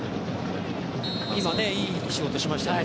今、いい仕事しましたね。